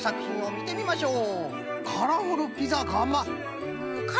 みてみましょう。